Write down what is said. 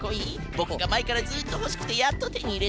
ボクがまえからずっとほしくてやっとてにいれた？